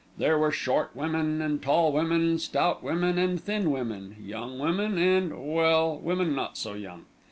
There were short women and tall women, stout women and thin women, young women and well, women not so young.